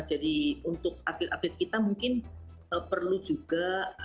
jadi untuk atlet atlet kita mungkin perlu juga